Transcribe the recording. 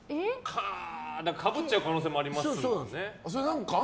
かぶっちゃう可能性もありますよね。